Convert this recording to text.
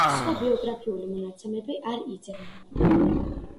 სხვა ბიოგრაფიული მონაცემები არ იძებნება.